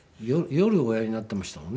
夜おやりになっていましたもんね。